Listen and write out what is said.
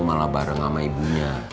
malah bareng sama ibunya